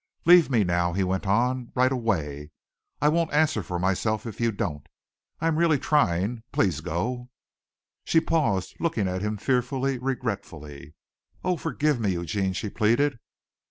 "Leave me now," he went on, "right away! I won't answer for myself if you don't. I am really trying. Please go." She paused, looking at him fearfully, regretfully. "Oh, forgive me, Eugene," she pleaded.